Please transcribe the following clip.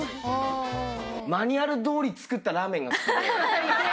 マニュアルどおり作ったラーメンが好きで。